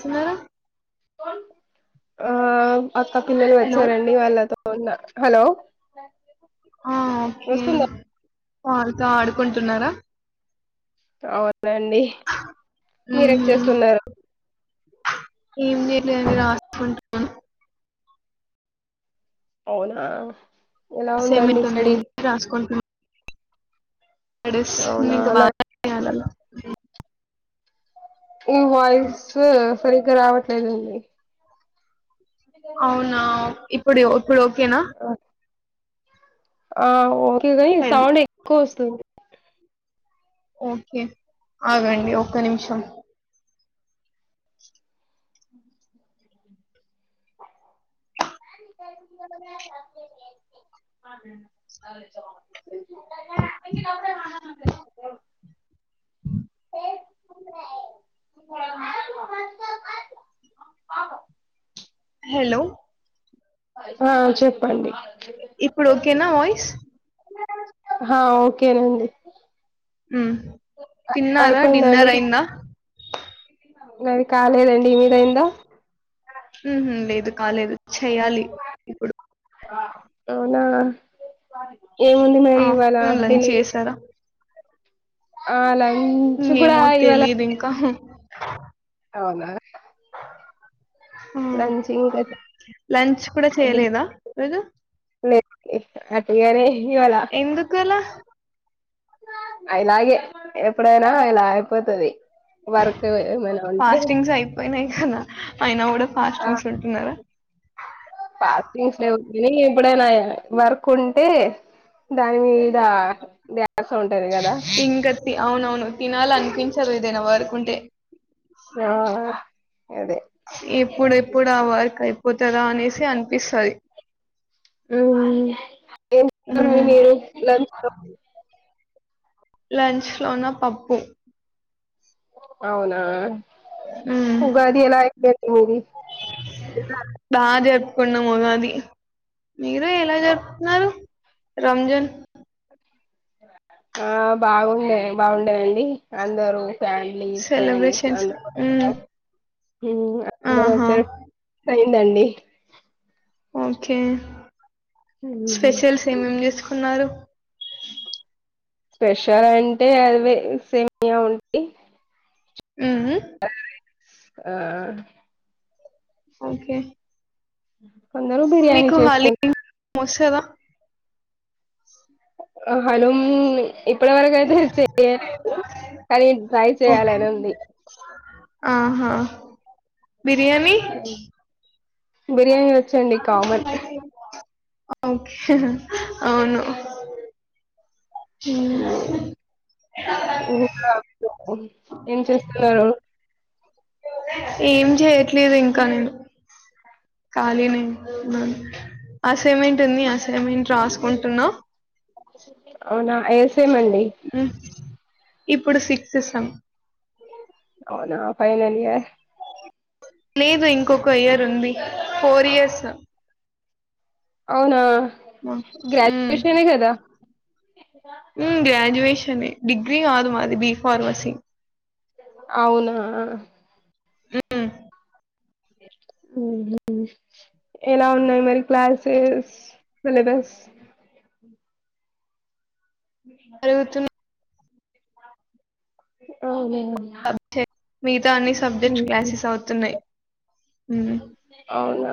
సున్నారా ఆ అక్క పిల్లలు వచ్చారండి వాళ్ళతో ఉన్న హలో ఆ ఓకే వస్తుందా వాళ్ళతో ఆడుకుంటున్నారా తావ నండి మీరేం ఉహు చేస్తున్నారు ఏం చెయ్ లే అండి రాసుకుంటునా అవునా ఎలా ఉందండి అసైన్మెంట్ ఉంది స్టడి అవునా అలా [unintelligible] అే ఉమ్మ్ వాయిస్సు సరిగ్గా రావట్లేదండి అవునా ఇప్పుడు ఇప్పుడు ఓకేనా ఆ ఓ టి వి హెల్ సౌండ్ ఎక్కువ వస్ [unintelligible] ఓకే ఆగండి ఒక్క నిమిషం హెలో ఆ చెప్పండి ఇప్పుడు ఓకేనా వాయిస్ హ ఓకేనండి హ్మ్ తిన్నారా డిన్నర్ అయిందా మాది కాలేదండి ఈ మీదయ్యిందా ఉహు లేదు కాలేదు చెయ్యాలి ఇప్పుడు టైనా ఏముంది మరి ఇవాళ ఆఫ్టర్నూన్ లంచ్ బిలి చేసారా అ లై ఉమ్మ్ ఏమో తెలీదు ఇంకా ఆ అవునా ఉమ్ లంచ్ ఇంకా లంచ్ కూడా చేయలేదా రోజు లేదండి అట్టిగానే ఎందుకులా ఐలాగే ఎప్పుడైనా ఇలా అయిపోతది. వర్క్ ఏమైనా ఉంటే ఫాస్టింగ్స్ అయిపోయినయి కదా ఐనా గుడ ఫాస్టింగ్స్ ఉంటున్నారా? పాస్టింగ్స్ లెవ్ కని ఎప్పుడైనా వర్క్ ఉంటే, దాని మీద ధ్యాస ఉంటది కదా ఇంగతి అవునవును తినాల అనిపించదు ఏదైనా వర్క్ ఉం టే ఆ అదే ఎప్పుడు ఎప్పుడావర్కా తదా అనేసి అనిపిస్తది, మ్మ్ ఏం చేస్తారు మరి ఉమ్ మీరు లంచ్ లో లంచ్ లోన పప్పు అవునా మ్మ్ ఉగాది ఎలా ఐ బ ఏది కున్నం ఉగాది మీరు ఎలా జరుపుకున్నారు రంజన్ ఆ బాగుండే, బాగుండేదండి అందరూ ఫ్యామిలీ ఫ్రెండ్స్ అ సెలబ్రేషన్స్ మ్మ్ వారు అందరూ ఆహా వచ్చారు దండి ఓకే హ్మ్. స్పెషల్స్ ఏమేం చేసుకున్నారు? స్పెషల్ అంటే అవే సేమ్యా ఉంటయి. ఉమ్ ఆ ఓకే ఆ కొందరు బిర్యానీ మీకు చేసుకుంట హలీం వస్తుందా హలీమ్ ఇప్పటి వరకు అయితే చెయలేదు, కానీ ట్రై ఓకే చేయాలని ఉంది. ఆహా బిర్యానీ బిరియాని అై ఓకే అవును అది ఇంకా ఏం చేస్తున్నారు ఏం చేయట్లేదు ఇంకా నేను కాలిగానే ఉన్నాను అస్ సమెంట్ ఉంది అసైమెంట్ రాసుకుంటున్నా అవునా ఏసేమండి ఉమ్, ఇప్పుడు సిక్స్త్ సం అవునా ఫైనల్ ఇయర్ లేదు ఇంకొక ఇయర్ ఉంది ఫోర్ ఇయర్స్ అవునా గ్రాడ్యుయేషనే కదా ఉం గ్రాడ్యుయేష నే డిగ్రీ గాదు మాది బి ఫార్మసీ అవునా హూ మ్ మ్ ఎలా ఉన్నాయి మరి క్లాసెస్ సిలబస్ జరుగుతున్న [unintelligible] అవునా [unintelligible] మిగతా అన్ని సబ్జెక్ట్ క్లాసెస్ అవుతున్నాయ్ అవునా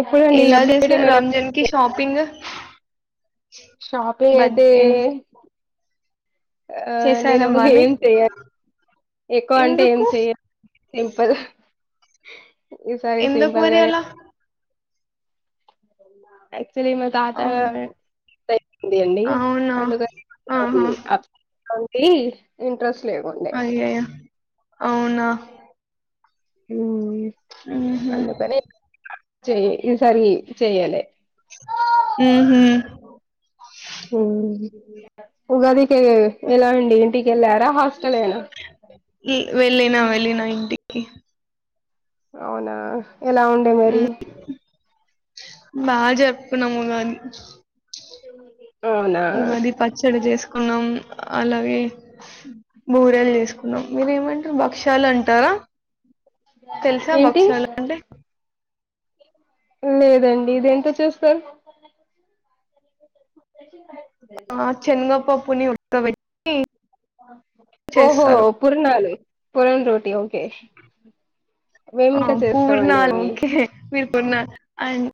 ఎప్పుడండి ఎలా అప్డేట్ చేశారు ఏమైనా రంజాన్ కి షాపింగ్ షాపింగ్ బడ్ అయితే ఏం ఆ చేశారా నేను బానే ఏం చెయ్య ఎక్కువ అంటే ఏం ఎందుకు చెయా సింపుల్ [inaudible] ఎందుకు సింపుల్ మరి గానే అలా అ చ్చలి మా తాత అవును అ [unintelligible] అండి అవునా అందుకని ఆహా [unintelligible] ఈ ఇంట్రెస్ట్ లేకుండే అయ్యయ్యో అవునా హూం ఊహు అందుకని చెయ్ ఈసారి చెయ్యలే ఊహుం హూ ఉగాది కే ఎలా అండి టికెల్లారా హస్ వెళ్ళిన వెళ్లిన ఇంటికి అవునా ఎలా ఉండే మరి ఉమ్ బాగా జపుకున్నాము ఉగాది మ మ ఉగాది పచ్చడి చేసు కున్నాం అలాగే బూరలు చేసుకో మీరు ఏమంట్రు భక్షాలు అంటారా తెలుసా ఏంటి భక్ష్యాలు అంటే లేదండి ఇది ఎంత చూస్తారు ఇనోఅడిబుల ఆ చెన్గపప్పు పుని ఉడ్త్ బేట్టి ఓహో పూర్ణలు పురన్ రోటీ అవు ఒకే ఆ పూర్ణ లు ఓకే మీరు కొన్నారు అండ్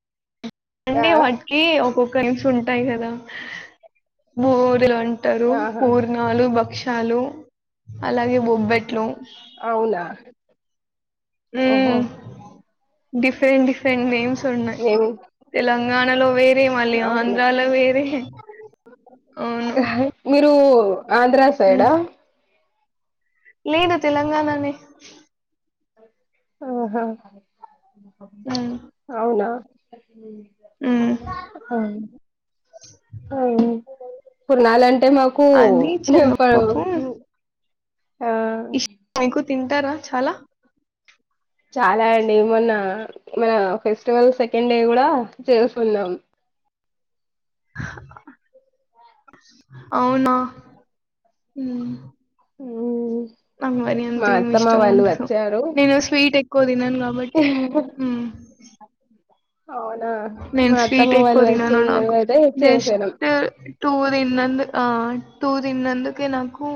ఆ అండి వాటికి ఒకొక్ కనిసు ఉంటాయి కదా బోరులం ట్ ఉంటరు ఆహా పూర్ణాలు భక్ష్య తాలు అలాగే బొబ్బట్లు అవునా ఉ ఓహో డిఫరెంట్ డిఫరెంట్ నేమ్స్ ఉన్నాయి్ మేము తెలంగాణ ణలో వేర్ అవునా అవును అహా మీరు ఆంధ్ర సై మ్మ్. డా లేదు తెలంగాణ నే ఓహో మ్మ్. అవునా మ్మ్. అవును పులాలం టే మాకు అది చెరగపప్పు ఆ నైకు తింటారా చాలా చాలా అండి మొన్న మన ఫెస్టివల్ సెకండ్ డే గుడా చేస్కున్నాం. అవునా మ్ మ్మ్. నాక్ మరి అంత మా ఏం అత్తమ్మ ఇష్టం వాళ్ళు ఉండదు నేను స్వీట్ ఎ క్కో తినను. కాబట్టి అ మ్ అవునా నేను మా స్వీట్ అత్తమ్మ ఎక్కువ వాళ్ళు తినను వచ్చింరు నాకు అయితే చేసాను. తిన్నంద్ ఆ టూ తిన్నందుకే నాకు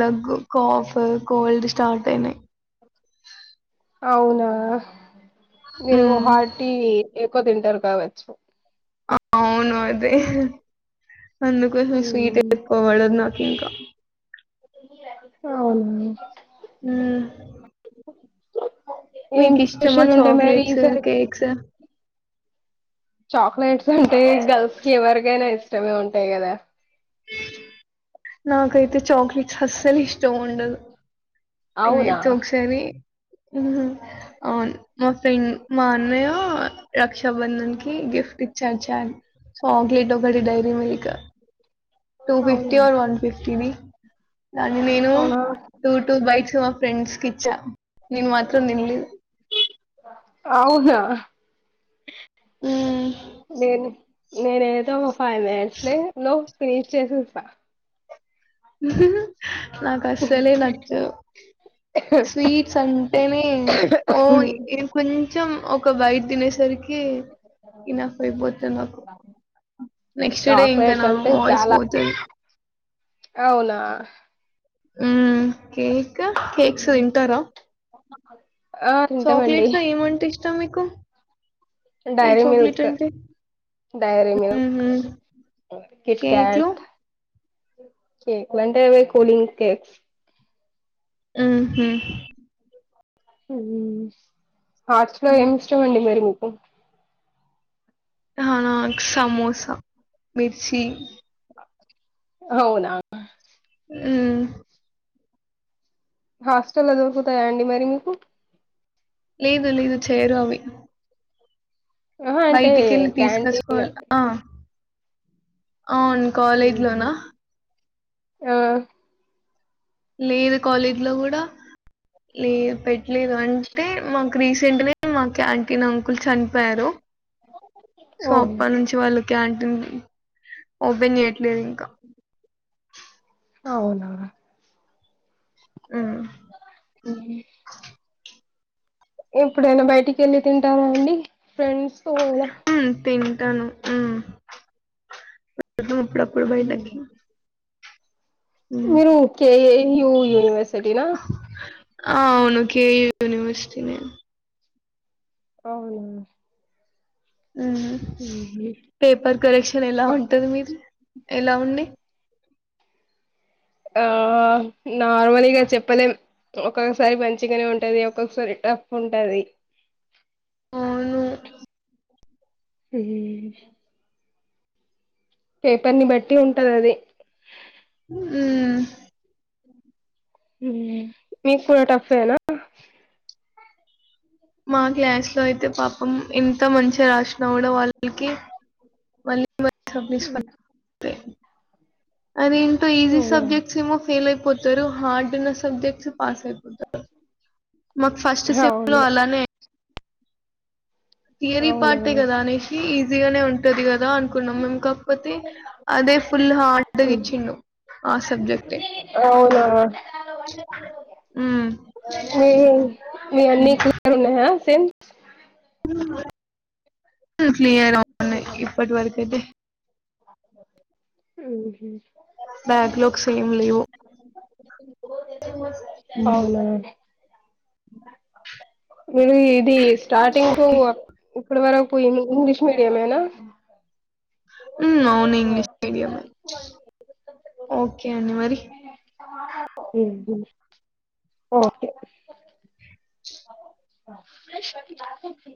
దగ్గు కాఫ్, కోల్డ్ స్టార్ట్ అయినయి. అవునా మీరు మ్ హార్టి ఎక్కువ తింటారు కావచ్చు. అవును అదే అందుకోసం స్వీట్ మ్మ్. ఎక్కో పడదు నా ఇంకా అవునా మ్ ఏం మీకిష్టమా స్పెషల్ ఉంటాయి మరి చాక్లెట్స్, ఈసారి కేక్స్ చాక్లెట్స్ అంటే గర్ల్స్కి ఎవర్కైనా ఇష్టమే ఉంటాయి కదా నాకైతే చాక్లెట్స్ అస్సలు ఇష్టం ఉండదు. అవునా అయితే ఒక్సారి అవున్ మా ఫ్రెండ్ మా అన్నయ్యా రక్షాబంధన్కి గిఫ్ట్ ఇచ్చార్ చార్ చాక్లెట్ ఒకటి డైరీ మిల్క్ టూ అవును ఫిఫ్టీ ఆర్ వన్ ఫిఫ్టీది. దాన్ని నేను అవునా టూ టూ బైట్స్ ఫ్రెండ్స్కిచ్చ నేన్ మాత్రం తిన్లేదు. అవునా హ్మ్. నేను నేనేదో ఫైవ్ [unintelligible] లే నో ఫినీష్ చేసేస్తా. నాకు అస్సలే నచ్చదు. స్వీట్స్ అంటేనే ఓయ్ ఏంకొం చెం ఒక బైట్ తినేసరి కీ ఇనఫ్ అయిపోద్ది నాకు, నెక్స్ట్ డే ఇంక చాక్లెట్స్ నా అంటే వాయిస్ చాలా పోతది. అవునా హ్మ్మ్ కేక్, కేక్స్ తింటారా? ఆ తింటమండిహ్. ష్టం మీకు? ఏ చాక్లెట్ డైరీమిల్క్, అంటే? డైరీమిల్క్, హుహు. కిట్ కేక్‌లో కాట్. కేక్ లు అంటే అవే కూలింగ్ కేక్స్. హ్మ్హు మ్ హాట్స్ లో ఏం హ్మ్. ఇష్టం అండి మేరును? ఒ హా సమోసా, మిర్చి. హవునా. హ్మ్ హాస్టల్లో దొరుకుతాయా అండి మరి మీకు? లేదులేదు చేయరు అవి. ఆహా అంటే బయటికెళ్ళి క్యాంటీన్ తీసుకొచ్చుకోవాలి. ఆ! అవును కాలేజ్ లోనా? ఆ లేదు కాలేజ్ లో గూడా లేవ్ పెట్ లేదు, అంటే మాకు రీసెంట్ నే మా క్యాంటీన్ అంకుల్ చనిపోయారు సో ఓహో అప్పన్నుంచి వాళ్ళు క్యాం ఉహ్ ఓపెన్ చేయ్ లేవింక అవునా. హ్మ్ ఎప్పుడైనా బయటికెల్లి తింటారా అండి? ఫ్రెండ్స్ తో ఇలా ఉమ్ తిన్ టను ఉమ్, ఇపుడు ప్పుడెప్పుడు బయల్దేరుతున్నావ్? మీరు కే ఎ యూ యూనివర్సిటీ నా? ఆ అవును, కే యూ యూనివర్సిటీ నే. అవునా! పేపర్ కరెక్షన్ ఎలా ఉంటది మీది, ఎలా ఉంది? ఆ నార్మల్ఇగ, చెప్పలేం. ఒక్కొక్కసారి మంచిగనే ఉంటది, ఒక్కొక్కసారి టఫ్ ఉంటది. అవును. హ్మ్ పేపర్ ని బట్టి ఉంటదది. ఉమ్ ఉమ్, మీక్కుడా టఫేనా? మా క్లాస్ లో అయితే, పాపం ఎంత మంచిగా రాసినా కూడ వాళ్ళకి వల్ [unintelligible] త్తయి. అది ఏంటో, ఈజీ అవునా సబ్జెక్ట్స్ ఏమో ఫెయిలైపోతరు, హార్డ్ ఉన్న సబ్జెక్ట్ మాకు ఫస్ట్ సెమ్ లో అవును అలానే థియరీ పార్ట్ ఏ అవునా కదానేషీ ఇగ్ ఈసీగనే ఉంటది కదా అన్ కున్నాం మేము, కాకపోతే అదే ఫుల్లు హార్డ్ గ ఇచ్చిండు ఆ సబ్జెక్టే. అవునా ఉమ్, మీ మ్ సెమ్స్ ఆల్ క్లియర్ వున్నయి, ఇప్పటి వరకైతే ఉమ్ హు బ్యాక్లాగ్స్ ఏమ్ లేవు. అవునా మీది ఇది స్టార్టింగ్ టూ ఓకే. అప్ ఎప్పడి వరక్ పోయిన్లు, ఇంగ్లిష్ మీడియమేనా? ఉమ్ అవును, ఆ ఇంగ్లీష్ మీడియమే. ఓకే అండి మరి ఏం తిన్న? ఓకే స రా